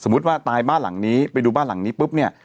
ว่าตายบ้านหลังนี้ไปดูบ้านหลังนี้ปุ๊บเนี่ย